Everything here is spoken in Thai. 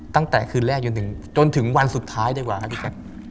ตั้งแต่คืนแรกจนถึงวันสุดท้ายดีกว่าครับพี่แจ๊ค